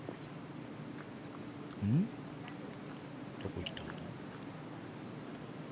どこ行った？